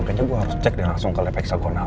kayaknya gue harus cek dan langsung ke lepeksagonal